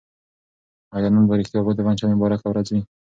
آیا نن په رښتیا د پنجشنبې مبارکه ورځ ده؟